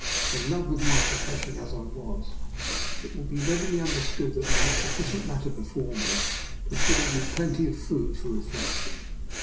In love with my pro fession as I was, it will be readily understood that I had sufficient matter before me to af ford me plenty of food for reflection.